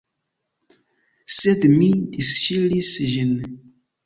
Sed mi disŝiris ĝin.